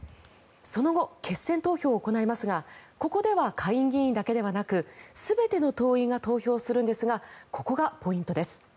その後、決選投票を行いますがここでは下院議員だけではなく全ての党員が投票するんですがここがポイントです。